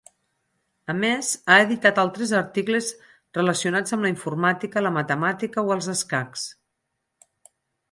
A més ha editat altres articles relacionats amb la informàtica, la matemàtica o els escacs.